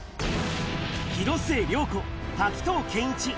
広末涼子、滝藤賢一。